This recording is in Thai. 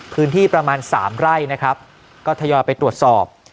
พื้นที่ประมาณ๓ไร่นะครับก็ทยอยไปตรวจสอบ